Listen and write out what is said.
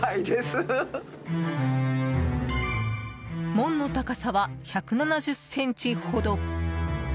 門の高さは１７０ｃｍほど。